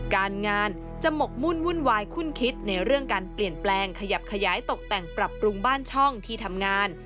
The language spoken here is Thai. การงานจะหมกมุ่นวุ่นวายคุ้นคิดในเรื่องการเปลี่ยนแปลงขยับขยายตกแต่งปรับปรุงบ้านช่องที่ทำงาน